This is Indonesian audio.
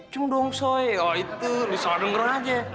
cung dong say oh itu bisa denger aja